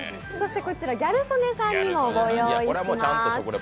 こちらギャル曽根さんにもご用意してます。